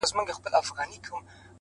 خود به يې اغزی پرهر’ پرهر جوړ کړي’